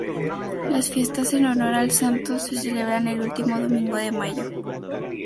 Las fiestas en honor al santo se celebran el último domingo de mayo.